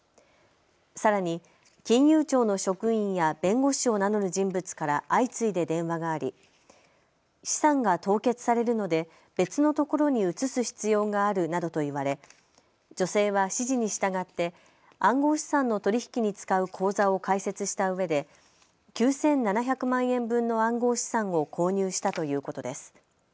さらに金融庁の職員や弁護士を名乗る人物から相次いで電話があり資産が凍結されるので別のところに移す必要があるなどと言われ女性は指示に従って暗号資産の取り引きに使う口座を開設したうえで９７００万円分の暗号資産を購入したということです。